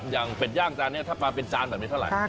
อย่างเป็ดย่างจานเนี่ยถ้าเป็นจานแบบนี้เท่าไร